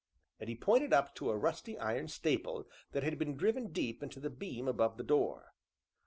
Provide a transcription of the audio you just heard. and he pointed up to a rusty iron staple that had been driven deep into the beam above the door.